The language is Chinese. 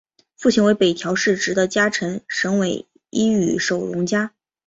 父亲为北条氏直的家臣神尾伊予守荣加。